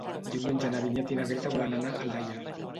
Diumenge na Vinyet i na Greta volen anar a Aldaia.